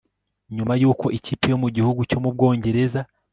nyuma y'uko ikipe yo mugihugu cyo mubwongereza